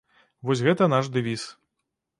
Вось гэта наш дэвіз.